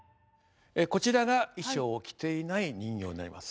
こちらが衣装を着ていない人形になります。